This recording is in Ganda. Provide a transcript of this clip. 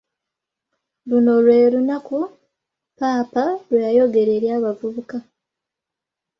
Luno lee lunaku "Paapa" lwe yayogera eri abavubuka.